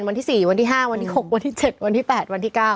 วันที่๔วันที่๕วันที่๖วันที่๗วันที่๘วันที่๙